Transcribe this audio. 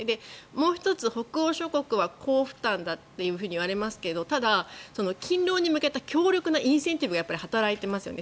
もう１つ、北欧諸国は高負担だっていうふうにいわれますがただ、勤労に向けた強力なインセンティブがやっぱり働いていますよね。